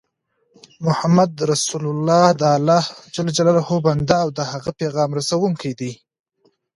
محمد رسول الله دالله ج بنده او د د هغه پیغام رسوونکی دی